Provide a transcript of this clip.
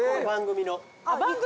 番組の？